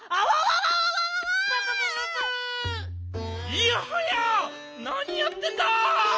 いやはやなにやってんだ！